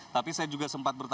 tapi saya juga sempat bertanya